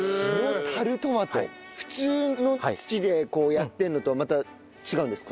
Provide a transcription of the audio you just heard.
普通の土でこうやってるのとはまた違うんですか？